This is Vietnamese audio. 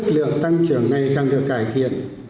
chất lượng tăng trưởng ngày càng được cải thiện